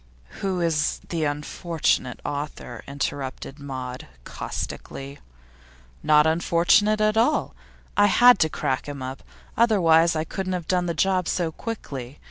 'Who is the unfortunate author?' interrupted Maud, caustically. 'Not unfortunate at all. I had to crack him up; otherwise I couldn't have done the job so quickly.